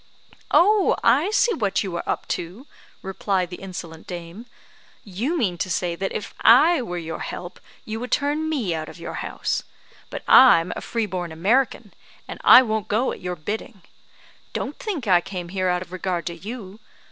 "Oh, I see what you are up to," replied the insolent dame; "you mean to say that if I were your help you would turn me out of your house; but I'm a free born American, and I won't go at your bidding. Don't think I came here out of regard to you.